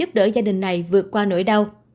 hãy chia sẻ và giúp đỡ gia đình này vượt qua nỗi đau